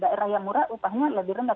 daerah yang murah upahnya lebih rendah